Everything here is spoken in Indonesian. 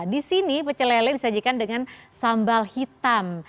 di sini pecel lele disajikan dengan sambal hitam